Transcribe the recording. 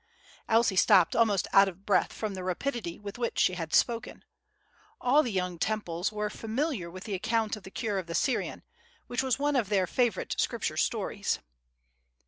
Elsie stopped almost out of breath from the rapidity with which she had spoken. All the young Temples were familiar with the account of the cure of the Syrian, which was one of their favorite Scripture stories.